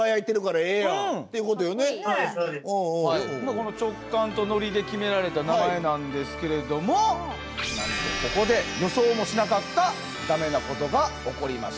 この直感とノリで決められた名前なんですけれどもなんとここで予想もしなかっただめなことが起こりました。